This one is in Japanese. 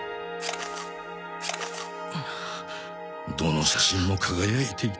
どの写真も輝いていた。